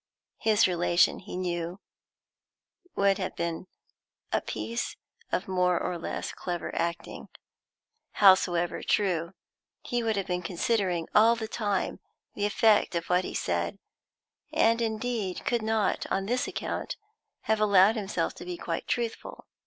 His relation, he knew, would have been a piece of more or less clever acting, howsoever true; he would have been considering, all the time, the effect of what he said, and, indeed, could not, on this account, have allowed himself to be quite truthful.